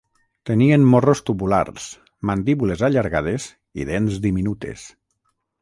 Tenien morros tubulars, mandíbules allargades i dents diminutes.